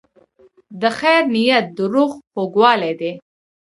د خیر نیت د روح خوږوالی دی.